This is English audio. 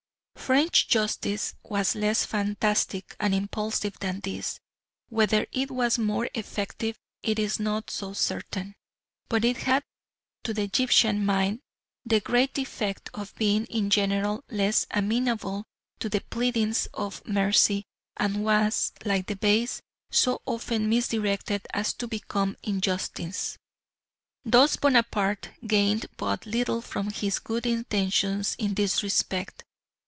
French justice was less fantastic and impulsive than this, whether it was more effective is not so certain, but it had to the Egyptian mind the great defect of being in general less amenable to the pleadings of mercy, and was, like the Beys', so often misdirected as to become injustice. Thus Bonaparte gained but little from his good intentions in this respect.